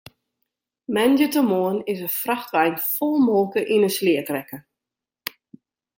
Moandeitemoarn is in frachtwein fol molke yn 'e sleat rekke.